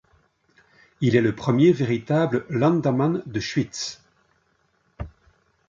Il est le premier véritable landamman de Schwytz.